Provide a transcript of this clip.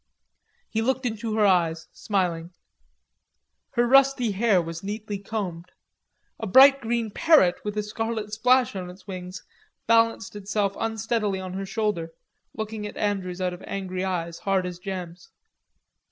He looked into her eyes, smiling. Her rusty hair was neatly combed. A bright green parrot with a scarlet splash in its wings, balanced itself unsteadily on her shoulder, looking at Andrews out of angry eyes, hard as gems.